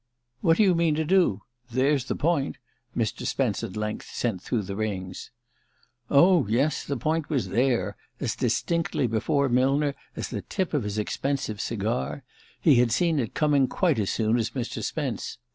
"What do you mean to do? There's the point," Mr. Spence at length sent through the rings. Oh, yes, the point was there, as distinctly before Millner as the tip of his expensive cigar: he had seen it coming quite as soon as Mr. Spence.